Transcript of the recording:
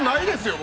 僕。